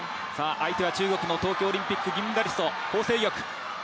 相手は中国の東京オリンピック銀メダリスト、ホウ倩玉。